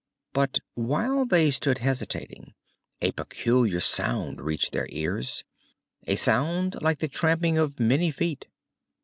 But while they stood hesitating, a peculiar sound reached their ears a sound like the tramping of many feet.